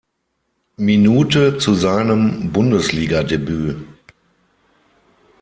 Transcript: Minute zu seinem Bundesligadebüt.